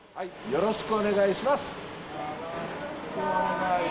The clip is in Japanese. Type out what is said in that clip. よろしくお願いします。